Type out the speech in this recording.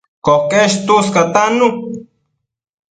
Coquesh tuscatannu